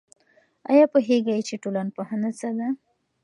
آيا پوهېږئ چي ټولنپوهنه څه ده؟